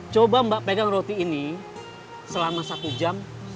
coba mbak pegang roti ini selama satu jam